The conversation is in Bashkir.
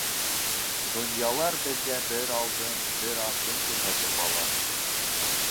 Донъялар беҙгә бер алдын, бер артын күрһәтеп ала.